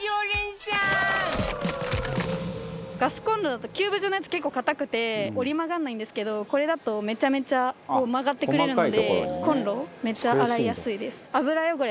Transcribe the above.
ガスコンロだとキューブ状のやつ結構硬くて折り曲がらないんですけどこれだとめちゃめちゃ曲がってくれるので。